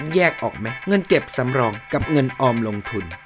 แยกออกไหมเงินเก็บสำรองกับเงินออมลงทุน